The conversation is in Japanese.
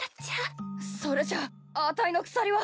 それじゃああたいの鎖は。